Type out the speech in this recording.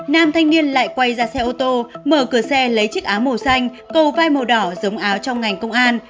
một nam thanh niên lại quay ra xe ô tô mở cửa xe lấy chiếc áo màu xanh cầu vai màu đỏ giống áo trong ngành công an